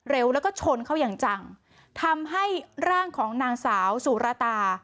แล้วก็ชนเขาอย่างจังทำให้ร่างของนางสาวสุรตา